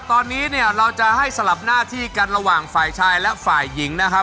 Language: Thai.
ตอนนี้เนี่ยเราจะให้สลับหน้าที่กันระหว่างฝ่ายชายและฝ่ายหญิงนะครับ